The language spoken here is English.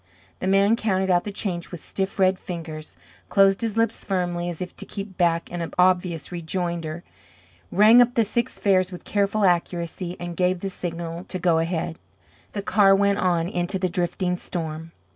The man counted out the change with stiff, red fingers, closed his lips firmly as if to keep back an obvious rejoinder, rang up the six fares with careful accuracy, and gave the signal to go ahead. The car went on into the drifting storm.